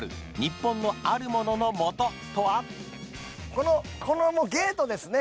このこのゲートですね